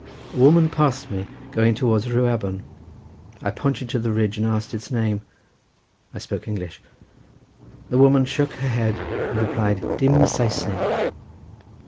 A woman passed me going towards Rhiwabon; I pointed to the ridge and asked its name; I spoke English. The woman shook her head and replied, "Dim Saesneg."